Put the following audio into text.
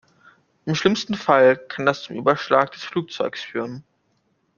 Im schlimmsten Fall kann das zum Überschlag des Flugzeuges führen.